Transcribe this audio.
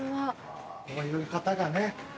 こういう方がね